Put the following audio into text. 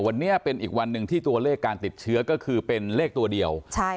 วันนี้เป็นอีกวันหนึ่งที่ตัวเลขการติดเชื้อก็คือเป็นเลขตัวเดียว